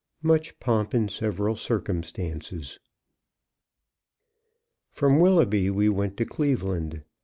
Much Pomp and Several Circumstances. From Willoughby we went to Cleveland.